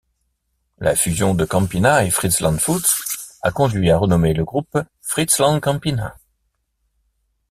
La fusion de Campina et Friesland Foods a conduit à renommer le groupe FrieslandCampina.